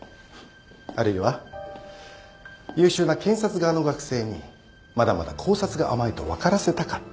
あるいは優秀な検察側の学生にまだまだ考察が甘いと分からせたかった。